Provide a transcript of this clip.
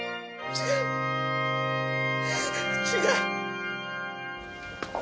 違う。